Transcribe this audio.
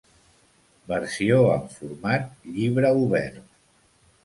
Versió en format "llibre obert"